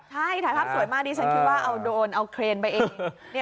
ใช่ถ่ายภาพสวยมากดิฉันคิดว่าเอาโดรนเอาเครนไปเอง